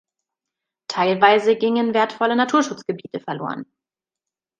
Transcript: Teilweise gingen wertvolle Naturschutzgebiete verloren.